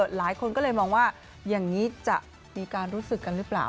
หลายคนก็เลยมองว่าอย่างนี้จะมีการรู้สึกกันหรือเปล่า